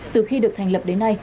từ khi được thành lập đến nay